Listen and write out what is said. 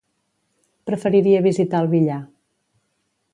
Preferiria visitar el Villar.